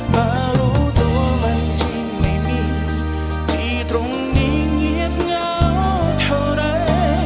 มารู้ตัวมันจึงไม่มีที่ตรงนี้เงียบเหงาเท่าไร